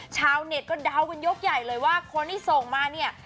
ชาวเน็ตก็เดากันยกใหญ่เลยว่าคนที่ส่งมาเนี่ย